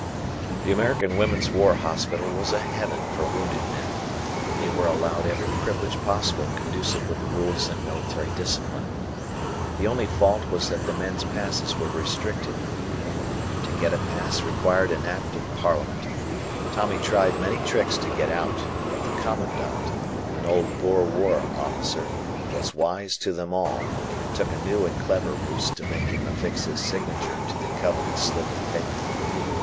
The American Women's War Hospital was a heaven for wounded men. They were allowed every privilege possible conducive with the rules and military discipline. The only fault was that the men's passes were restricted. To get a pass required an act of Parliament. Tommy tried many tricks to get out, but the Commandant, an old Boer War officer, was wise to them all, and it took a new and clever ruse to make him affix his signature to the coveted slip of paper.